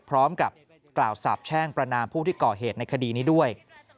พร้อมกับกล่าวสาบแช่งประนามผู้ที่ก่อเหตุในคดีนี้ด้วย